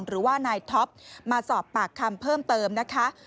หรือว่านายท็อปมาสอบปากคำเพิ่มเติมนะคะ